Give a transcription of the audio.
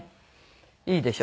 いいでしょ？